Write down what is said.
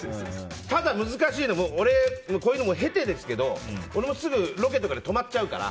ただ、難しいのは俺、こういうのも経てですが俺も、すぐロケとかで泊まっちゃうから。